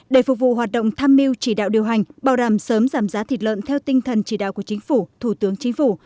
để phục vụ hoạt động tham mưu chỉ đạo điều hành bảo đảm sớm giảm giá thịt lợn theo tinh thần chỉ đạo của chính phủ thủ tướng chính phủ